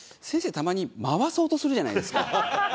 たまに回そうとするじゃないですか。